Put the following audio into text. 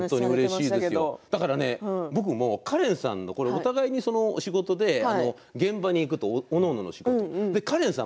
だからカレンさんのお互い仕事で現場に行くとおのおのの仕事カレンさん